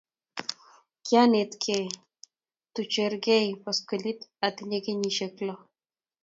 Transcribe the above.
Kianetkei tukchekiwerie poskilit atinye kenyisike lok.